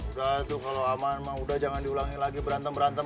udah tuh kalau aman mah udah jangan diulangi lagi berantem berantem